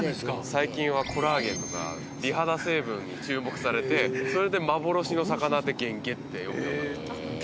最近はコラーゲンとか美肌成分に注目されてそれで幻の魚ってゲンゲって呼ぶようになっちゃったんです